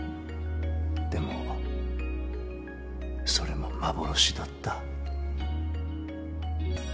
でもそれも幻だった。